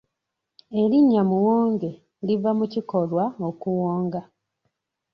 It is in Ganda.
Erinnya Muwonge liva mu kikolwa okuwonga.